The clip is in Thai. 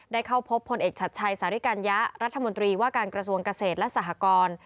เข้าพบพลเอกชัดชัยสาริกัญญะรัฐมนตรีว่าการกระทรวงเกษตรและสหกร